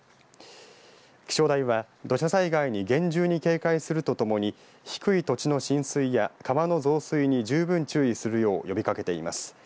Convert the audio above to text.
気象台は土砂災害に厳重に警戒するとともに低い土地の浸水や川の増水に十分注意するよう呼びかけています。